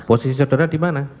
posisi saudara di mana